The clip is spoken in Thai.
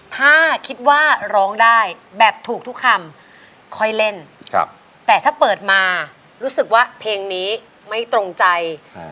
ถ้าคิดว่าร้องได้แบบถูกทุกคำค่อยเล่นแต่ถ้าเปิดมารู้สึกว่าเพลงนี้ไม่ตรงใจ